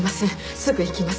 すぐ行きます。